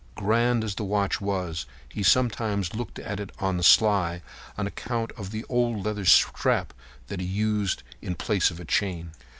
Grand as the watch was, he sometimes looked at it on the sly on account of the old leather strap that he used in place of a chain.